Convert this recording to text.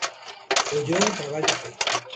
Ollou o traballo feito.